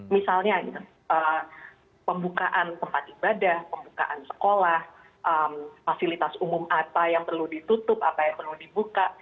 misalnya pembukaan tempat ibadah pembukaan sekolah fasilitas umum apa yang perlu ditutup apa yang perlu dibuka